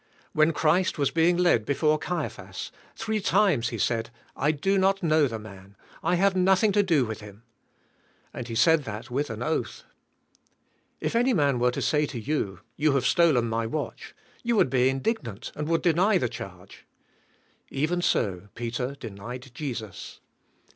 When Christ was being led before Caiphas, three times he said, "I do not know the man. I have nothing to do with Him." And he said that with an oath. If any man were to say to you, "You have stolen my watch," you would be indignant and would deny the charge. Kven so Peter denied Jesus.